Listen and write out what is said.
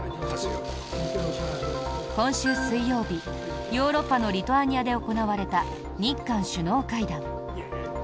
今週水曜日、ヨーロッパのリトアニアで行われた日韓首脳会談。